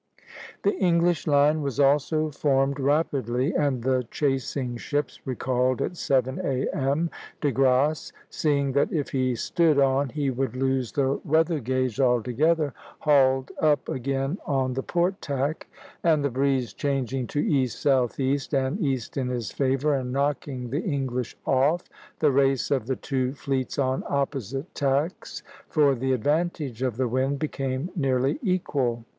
The English line was also formed rapidly, and the chasing ships recalled at seven A.M. De Grasse, seeing that if he stood on he would lose the weather gage altogether, hauled up again on the port tack (c'); and the breeze changing to east southeast and east in his favor and knocking the English off, the race of the two fleets on opposite tacks, for the advantage of the wind, became nearly equal.